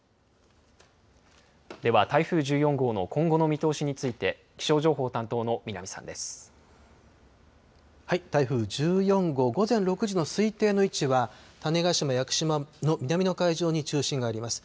では台風１４号の今後の見通しについて、気象情報担当の南さんで台風１４号、午前６時の推定の位置は、種子島・屋久島の南の海上に中心があります。